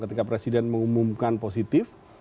ketika presiden mengumumkan positif